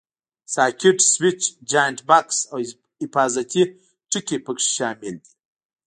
ساکټ، سویچ، جاینټ بکس او حفاظتي ټکي پکې شامل دي.